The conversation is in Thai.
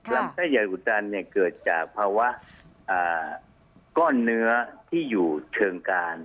ลำไส้ใหญ่อุตันเกิดจากภาวะก้อนเนื้อที่อยู่เชิงการ